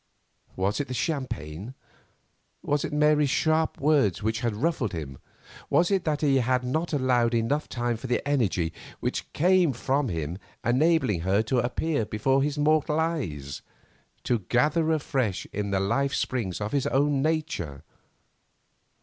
Was it the champagne? Was it Mary's sharp words which had ruffled him? Was it that he had not allowed enough time for the energy which came from him enabling her to appear before his mortal eyes, to gather afresh in the life springs of his own nature?